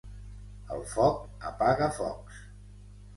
El foc apaga focs.